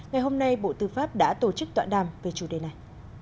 ngày hôm nay bộ tư pháp đã tổ chức tọa đàm về chủ đề này